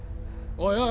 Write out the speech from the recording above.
おいおい